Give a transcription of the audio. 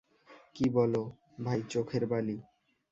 কী বল, ভাই চোখের বালি।